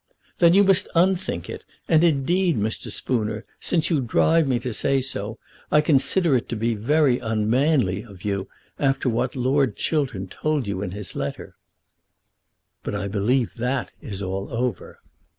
"Then you must unthink it. And, indeed, Mr. Spooner, since you drive me to say so, I consider it to be very unmanly of you, after what Lord Chiltern told you in his letter." "But I believe that is all over."